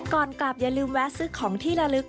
ก่อนกลับอย่าลืมแวะซื้อของที่ละลึก